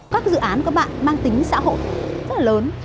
các dự án của bạn mang tính xã hội rất là lớn